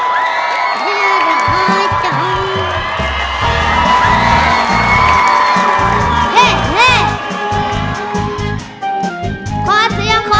เสียร้ายจัง